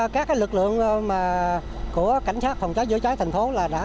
các lực lượng của cảnh sát phòng cháy chữa cháy thành phố đã